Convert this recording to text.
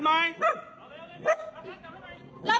ขโมยเข้าหมู่บ้าน